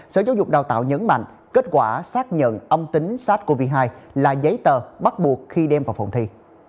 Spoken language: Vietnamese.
sở giáo dục đào tạo nhấn mạnh kết quả xác nhận âm tính sars cov hai là giấy tờ bắt buộc khi đem vào phòng thi